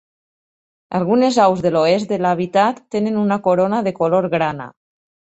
Algunes aus de l'oest de l'hàbitat tenen una corona de color grana.